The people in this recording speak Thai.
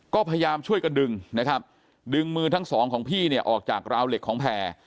ก็พยายามช่วยกันดึงนะครับดึงมือทั้งสองของพี่เนี่ยออกจากราวเหล็กของแพร่